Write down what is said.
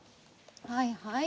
はいはい。